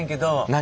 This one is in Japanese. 何？